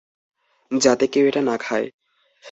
যাতে কেউ এটা না খায়।